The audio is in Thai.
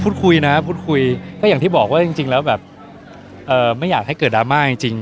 พูดคุยนะพูดคุยก็อย่างที่บอกว่าจริงแล้วแบบไม่อยากให้เกิดดราม่าจริง